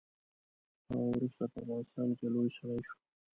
هغه وروسته په افغانستان کې لوی سړی شو.